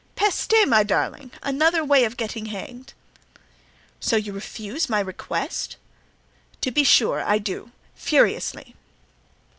"Peste! my darling! another way of getting hanged." "So you refuse my request?" "To be sure I do—furiously!"